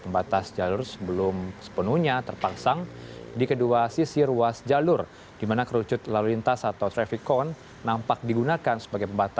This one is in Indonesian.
meski menyebut masih terdapat